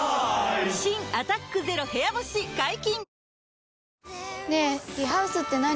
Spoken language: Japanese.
新「アタックＺＥＲＯ部屋干し」解禁‼